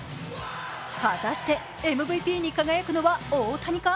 果たして、ＭＶＰに輝くのは大谷か？